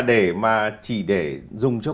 để mà chỉ để dùng cho